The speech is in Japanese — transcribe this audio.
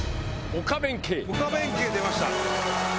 オカ弁慶出ました！